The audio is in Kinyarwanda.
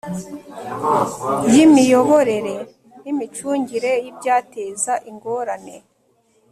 y imiyoborere n imicungire y ibyateza ingorane